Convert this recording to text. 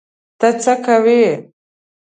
ته څه کوې؟